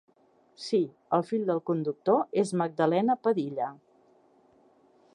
Sí, el fill del conductor és Magdalena Padilla.